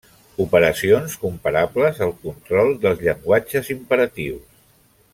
Operacions comparables al control dels llenguatges imperatius.